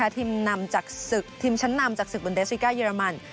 ทีมชั้นนำจากสุขบนเดซิกาเยอรมัน